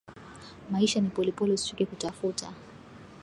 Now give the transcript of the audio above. Maisha ni polepole usichoke kutafuta